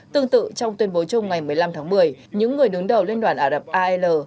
tương tự trong tuyên bố chung ngày một mươi năm tháng một mươi những người đứng đầu liên đoàn ả rập al